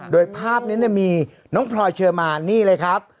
โดยภาพนี้มีน้องพลอยเชอร์มานนี่เลยครับ